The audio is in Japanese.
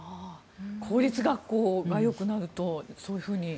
公立学校がよくなるとそういうふうに。